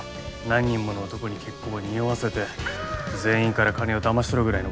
何人もの男に結婚を匂わせて全員から金をだまし取るぐらいのことしないと。